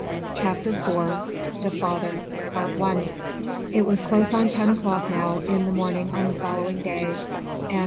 CHAPTER IV THE FATHER I It was close on ten o'clock now in the morning on the following day, and M.